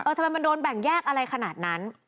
ทำไมมันโดนแบ่งแยกอะไรขนาดนั้น